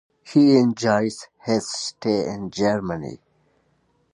He enjoys his stay in Germany.